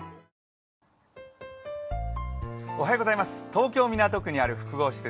東京・港区にある複合施設